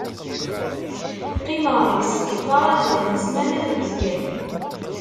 Qqimeɣ deg sbiṭar azal n smana d uzgen.